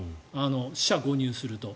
四捨五入すると。